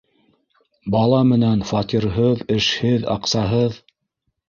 Бала менән... фатирһыҙ, эшһеҙ, аҡсаһыҙ...